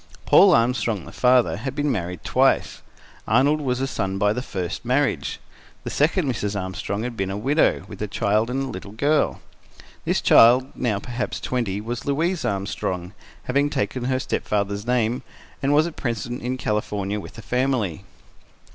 Paul Armstrong, the father, had been married twice. Arnold was a son by the first marriage. The second Mrs. Armstrong had been a widow, with a child, a little girl. This child, now perhaps twenty, was Louise Armstrong, having taken her stepfather's name, and was at present in California with the family.